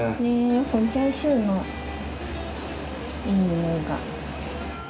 このチャーシューのいい匂いが。